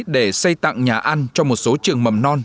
để xây tặng nhà ăn cho một số trường mầm non